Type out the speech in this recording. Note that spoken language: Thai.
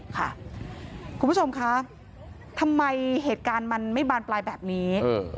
คุณผู้ชมคะทำไมเหตุการณ์มันไม่บานปลายแบบนี้